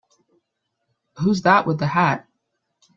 Who's that with the hat?